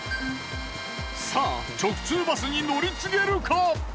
さあ直通バスに乗り継げるか？